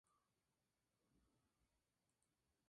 Dándole por muerto, muchos de los participantes huyeron del lugar.